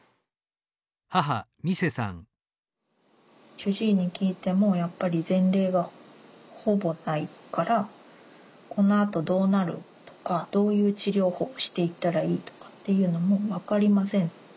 主治医に聞いてもやっぱり前例がほぼないからこのあとどうなるとかどういう治療法していったらいいとかっていうのもわかりません